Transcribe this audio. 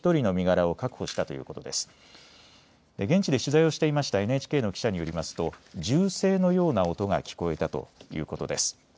現地で取材をしていましたＮＨＫの記者によりますと銃声のような音が聞こえたということです。